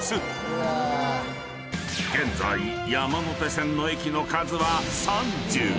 ［現在山手線の駅の数は］